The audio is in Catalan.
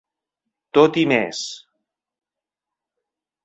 Tot i més.